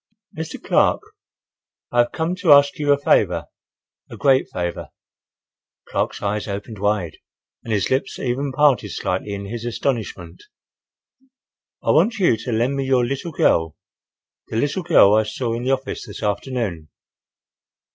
"Mr. Clark, I have come to ask you a favor—a great favor—" Clark's eyes opened wide and his lips even parted slightly in his astonishment. "—I want you to lend me your little girl—the little girl I saw in the office this afternoon."